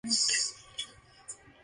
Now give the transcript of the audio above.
She died in Vanves.